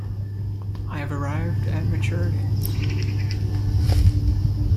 I have arrived at maturity.